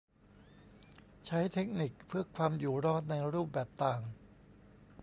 ใช้เทคนิคเพื่อความอยู่รอดในรูปแบบต่าง